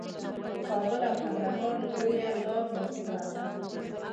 د کابل او کندهار لویه لار مهمه ده